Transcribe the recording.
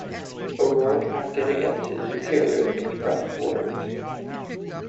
O'Rourke acted against his superiors' express orders.